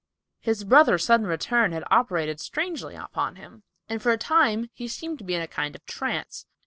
His brother's sudden return had operated strangely upon him, and for a time he seemed to be in a kind of trance.